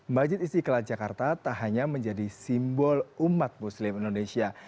majid istiqlal jakarta tak hanya menjadi simbol umat muslim indonesia